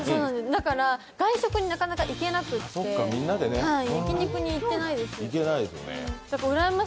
だから外食になかなか行けなくて焼き肉に行ってないですね。